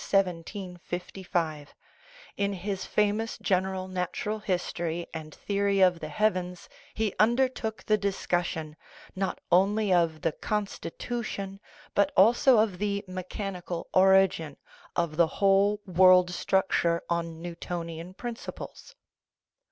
755 i i n his famous general natural history and theory of the heavens he undertook the discussion, not only of the " constitution," but also of the " mechanical ori gin " of the whole world structure on Newtonian prin ciples.